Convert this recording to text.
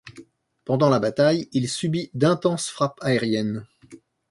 Pendant la bataille, il subit d'intenses frappes aériennes.